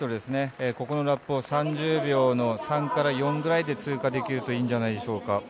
ここのラップを３０秒の３から４くらいで通過できるといいんじゃないでしょうか。